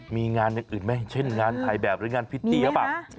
มีงานอย่างอื่นไหมเช่นงานถ่ายแบบหรืองานพิตตี้หรือเปล่า